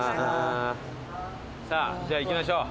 さあじゃあ行きましょう。